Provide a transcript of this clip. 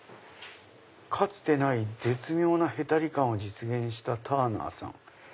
「かつてない絶妙なヘタリ感を実現した『ターナーさん』」。